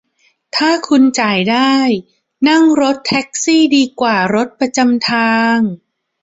ถ้าคุณจ่ายได้ นั่งรถแท็กซี่ดีกว่ารถประจำทาง